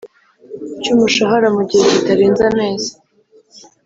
cy umushahara mu gihe kitarenze amezi